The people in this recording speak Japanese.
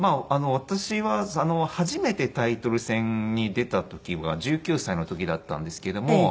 私は初めてタイトル戦に出た時は１９歳の時だったんですけども。